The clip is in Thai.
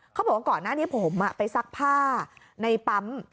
เขาบอกว่าก่อนหน้านี้ผมอ่ะไปซักผ้าในปั๊ม